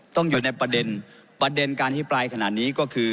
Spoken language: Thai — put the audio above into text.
อยู่ในประเด็นประเด็นการที่ปลายขนาดนี้ก็คือ